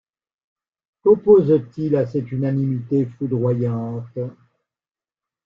Qu’oppose-t-il à cette unanimité foudroyante?